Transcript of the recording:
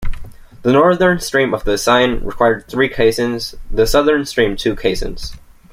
The northern stream of the Seine required three caissons, the southern stream two caissons.